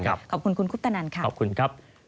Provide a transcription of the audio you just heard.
ขอบคุณคุณคุปตนันค่ะขอบคุณครับ